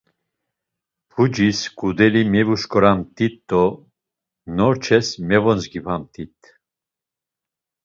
Pucis ǩudeli mevuşǩoramt̆it do norç̌es mevozgipamt̆it.